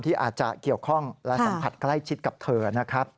อาจจะเกี่ยวข้องและสัมผัสใกล้ชิดกับเธอนะครับ